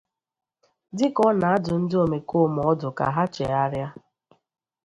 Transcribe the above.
Dịka ọ na-adụ ndị omekoome ọdụ ka ha chegharịa